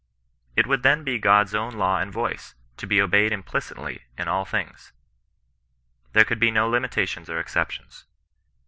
It would then be Good's own law and voice — to be obeyed implicitly in all things. There could be no limitations or exceptions.